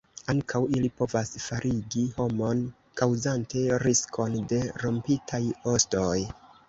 Ankaŭ ili povas faligi homon, kaŭzante riskon de rompitaj ostoj.